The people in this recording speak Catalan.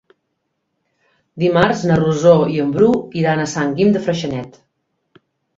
Dimarts na Rosó i en Bru iran a Sant Guim de Freixenet.